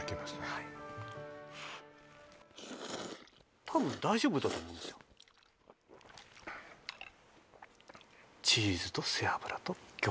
はい多分大丈夫だと思うんですよえ